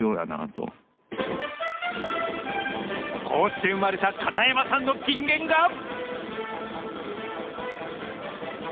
こうして生まれた片山さんの金言が。